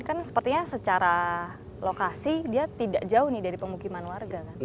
kan sepertinya secara lokasi dia tidak jauh nih dari pemukiman warga kan